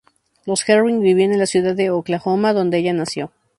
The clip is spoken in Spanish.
Los Herring vivían en la ciudad de Oklahoma, donde ella nació.